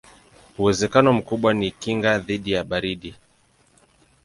Uwezekano mkubwa ni kinga dhidi ya baridi.